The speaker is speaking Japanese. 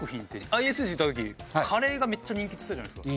ＩＳＳ行った時カレーがめっちゃ人気っつったじゃないですか。